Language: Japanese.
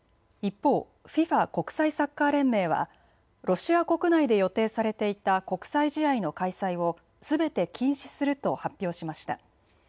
一方、ＦＩＦＡ・国際サッカー連盟は、ロシア国内で予定されていた国際試合の開催をすべて禁止すると発表しました。